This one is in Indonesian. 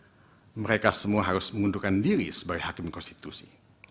karena mereka semua harus mengundurkan diri sebagai hakim konstitusi